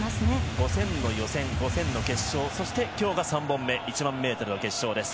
５０００の予選５０００の決勝そして今日が３本目１００００ｍの決勝です。